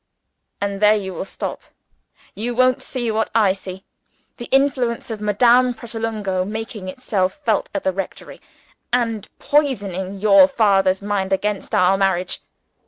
"And there you will stop? You won't see (what I see) the influence of Madame Pratolungo making itself felt at the rectory, and poisoning your father's mind against our marriage?"